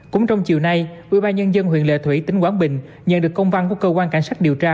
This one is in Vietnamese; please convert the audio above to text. cũng trong chiều nay ubnd huyện lệ thủy tỉnh quảng bình nhận được công văn của cơ quan cảnh sát điều tra